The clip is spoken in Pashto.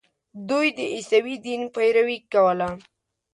دوی د عیسوي دین پیروي کوله.